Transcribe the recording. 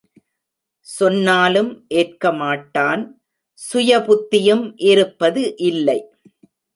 சொன்னாலும் ஏற்கமாட்டான் சுயபுத்தியும் இருப்பது இல்லை.